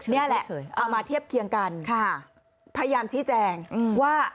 นี่แหละเอามาเทียบเคียงกันค่ะพยายามชี้แจงว่า